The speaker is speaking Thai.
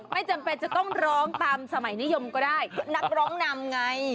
ไม่จำเป็นจะต้องร้องตามสมัยนิยมก็ได้นักร้องนำไง